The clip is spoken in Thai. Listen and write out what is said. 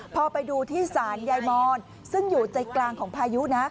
พอไปดูที่ศาลยายมอนซึ่งอยู่ใจกลางของพายุนะ